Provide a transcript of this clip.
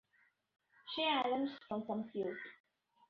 Shay Addams from Compute!